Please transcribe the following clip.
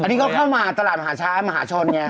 อันนี้ก็เข้ามาตลาดมหาช้ามหาชนไง